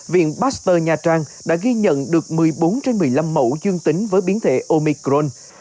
viện pasteur nha trang đã ghi nhận được một mươi bốn trên một mươi năm mẫu dương tính với biến thể omicron